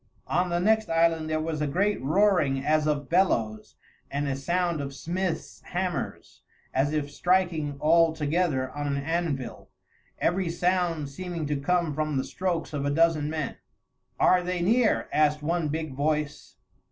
On the next island there was a great roaring as of bellows and a sound of smiths' hammers, as if striking all together on an anvil, every sound seeming to come from the strokes of a dozen men. "Are they near?" asked one big voice.